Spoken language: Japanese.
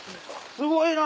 すごいな！